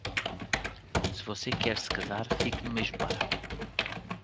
Se você quer se casar, fique no mesmo bairro.